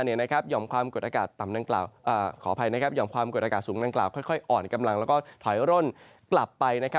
หย่อมความกดอากาศสูงดังกล่าวค่อยอ่อนกำลังแล้วก็ถอยร่นกลับไป